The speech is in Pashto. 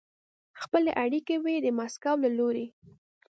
خپلې اړیکې به یې د مسکو له لوري